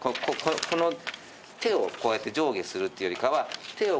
この手をこうやって上下するっていうよりかは。